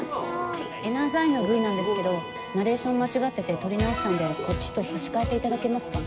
エナズアイのＶなんですけどナレーション間違ってて録り直したんでこっちと差し替えていただけますか？